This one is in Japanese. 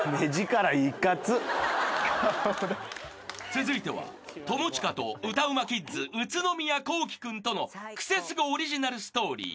［続いては友近と歌うまキッズ宇都宮聖君とのクセスゴオリジナルストーリー。